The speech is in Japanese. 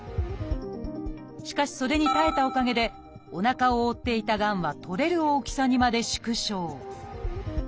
しかしそれに耐えたおかげでおなかを覆っていたがんは取れる大きさにまで縮小